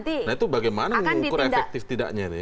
itu bagaimana ukur efektif tidaknya